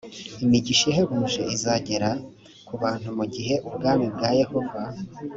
imigisha ihebuje izagera ku bantu mu gihe ubwami bwa yehova